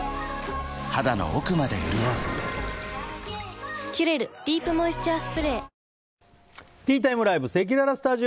肌の奥まで潤う「キュレルディープモイスチャースプレー」